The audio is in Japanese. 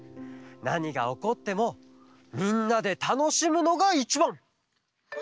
なにがおこってもみんなでたのしむのがいちばん！